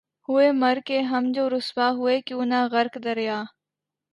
ہوئے مر کے ہم جو رسوا ہوئے کیوں نہ غرق دریا